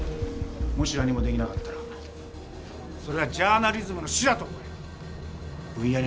もし何もできなかったらそれはジャーナリズムの死だと思え！